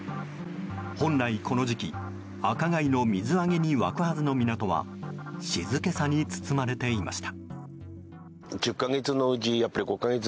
本来、この時期、アカガイの水揚げに沸くはずの港は静けさに包まれていました。